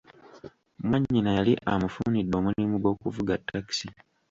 Mwanyina yali amufunidde omulimu gw'okuvuga takisi.